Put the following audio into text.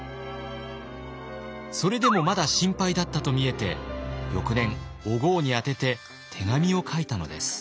それでもまだ心配だったと見えて翌年お江に宛てて手紙を書いたのです。